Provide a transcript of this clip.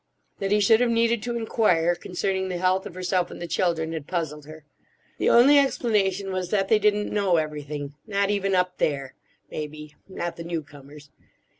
That he should have needed to enquire concerning the health of herself and the children had puzzled her. The only explanation was that they didn't know everything, not even up. There—may be, not the new comers.